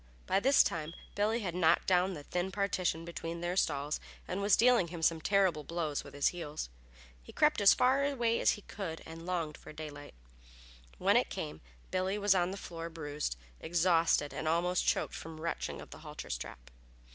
By this time Billy had knocked down the thin partition between their stalls and was dealing him some terrible blows with his heels. He crept as far away as he could and longed for daylight. When it came Billy lay on the floor bruised, exhausted and almost choked from the wrenching of the halter strap.